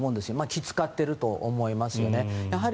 気を使っていると思いますよね。